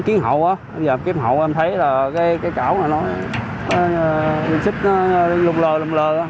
thì cảm nhận giờ em kiếm hậu em thấy là cái cỏ này nó xích nó lùm lơ lùm lơ